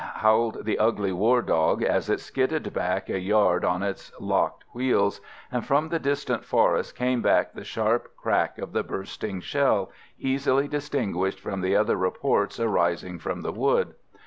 howled the ugly war dog as it skidded back a yard on its locked wheels, and from the distant forest came back the sharp crack of the bursting shell, easily distinguished from the other reports arising from the wood.